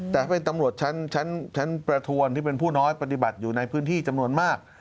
แต่ถ้าเป็นตำรวจชั้นประทวนที่เป็นผู้น้อยปฏิบัติอยู่ในพื้นที่จำนวนมาก